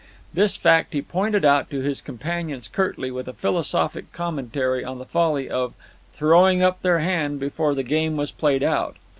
This fact he pointed out to his companions curtly, with a philosophic commentary on the folly of "throwing up their hand before the game was played out."